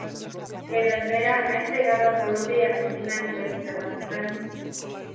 Pedernera ha entrenado a Colombia y Argentina a nivel internacional.